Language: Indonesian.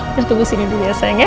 udah tunggu sini dulu ya sayang ya